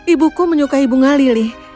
ibuku menyukai bunga lili